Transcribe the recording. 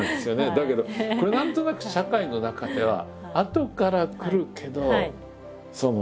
だけどこれ何となく社会の中ではあとから来るけどその。